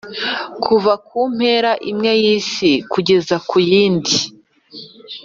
kuva ku mpera imwe y’isi kugera ku yindi,